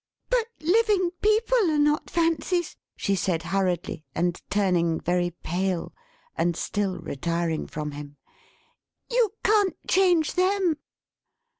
"But living people are not fancies?" she said hurriedly, and turning very pale, and still retiring from him. "You can't change them."